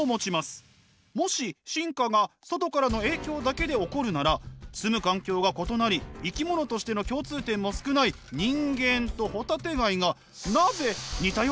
もし進化が外からの影響だけで起こるなら住む環境が異なり生き物としての共通点も少ない人間とホタテガイがなぜ似たような目を持っているのか。